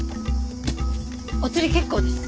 お釣り結構です。